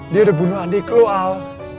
dia udah bunuh adik lo al